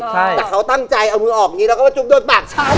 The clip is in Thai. แต่เขาตั้งใจเอามือออกนี้พร้อมจะจุบโดนปากช้ำ